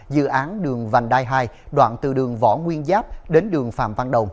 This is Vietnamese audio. dự án đường vành đai hai đoạn từ đường võ nguyên giáp đến đường phạm văn đồng